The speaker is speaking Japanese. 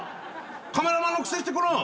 カメラマンのくせしてこの！